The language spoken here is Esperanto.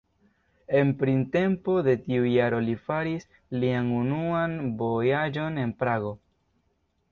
En printempo de tiu jaro li faris lian unuan vojaĝon en Prago.